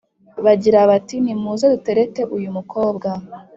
bagira bati nimuze duterete uyu mukobwa